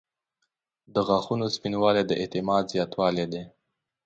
• د غاښونو سپینوالی د اعتماد زیاتوالی دی.